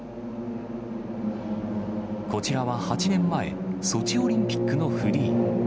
こちらは８年前、ソチオリンピックのフリー。